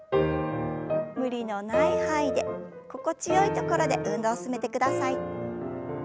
無理のない範囲で心地よいところで運動を進めてください。